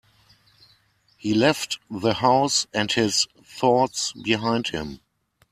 He left the house and his thoughts behind him.